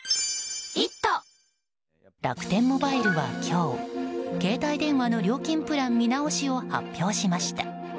楽天モバイルは今日携帯電話の料金プラン見直しを発表しました。